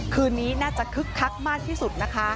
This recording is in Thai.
คืนนี้น่าจะคึกคักมากที่สุดนะคะ